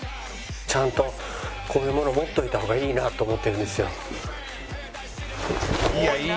ちゃんとこういうものを持っておいた方がいいなと思ってるんですよ。